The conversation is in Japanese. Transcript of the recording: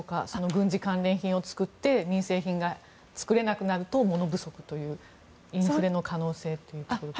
軍事関連品を作って民生品が作れなくなると物不足というインフレの可能性ということですが。